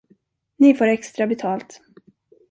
Ni får extra betalt.